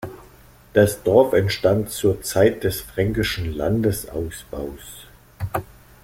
Das Dorf entstand zur Zeit des fränkischen Landesausbaus.